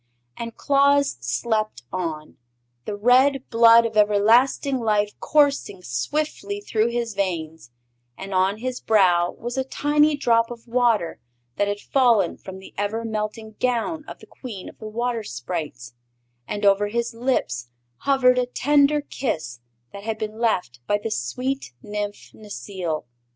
And Claus slept on, the red blood of everlasting life coursing swiftly through his veins; and on his brow was a tiny drop of water that had fallen from the ever melting gown of the Queen of the Water Sprites, and over his lips hovered a tender kiss that had been left by the sweet Nymph Necile.